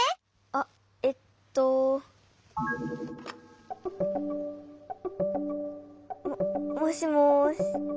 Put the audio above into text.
あっえっと。ももしもし。